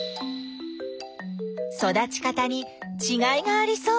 育ち方にちがいがありそう。